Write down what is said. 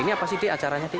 ini apa sih dik acaranya dik